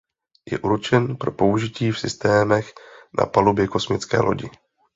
Je určen pro použití v systémech na palubě kosmické lodi.